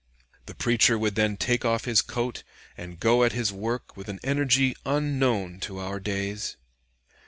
The preacher would then take off his coat, and go at his work with an energy unknown to our days.